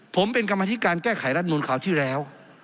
ผมเป็นกรรมธิการแก้ไขรัฐมนุนคราวที่แล้ว